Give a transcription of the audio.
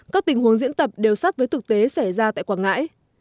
các tình huống diễn tập đều sát với thực tế xảy ra tại quảng ngãi